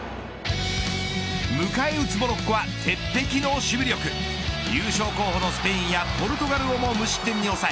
迎え撃つモロッコは鉄壁の守備力優勝候補のスペインやポルトガルをも無失点に抑え